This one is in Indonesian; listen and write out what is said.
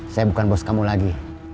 saya bukan bos kamu lagi